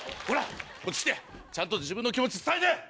ほらこっち来てちゃんと自分の気持ち伝えて！